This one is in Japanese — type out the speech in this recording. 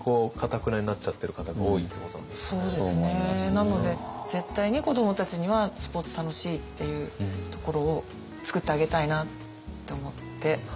なので絶対に子どもたちにはスポーツ楽しいっていうところをつくってあげたいなって思って。